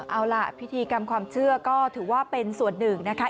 เอาล่ะพิธีกรรมความเชื่อก็ถือว่าเป็นส่วนหนึ่งนะคะ